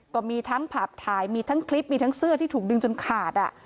ก็มีทั้งผับถ่ายมีทั้งคลิปมีทั้งเสื้อที่ถูกดึงจนขาด